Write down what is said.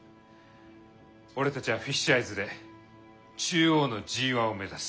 俺たちはフィッシュアイズで中央のＧⅠを目指す。